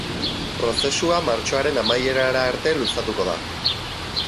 Prozesua martxoaren amaierara arte luzatuko da.